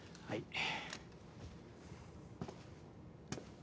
はい。